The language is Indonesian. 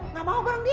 enggak mau gorang dia